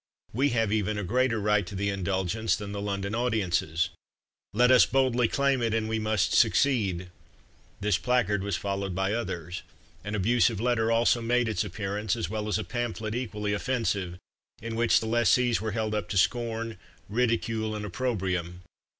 We have even a greater right to the indulgence than the London audiences LET US BOLDLY CLAIM IT AND WE MUST SUCCEED!! This placard was followed by others. An abusive letter also made its appearance, as well as a pamphlet equally offensive, in which the lessees were held up to scorn, ridicule, and opprobrium.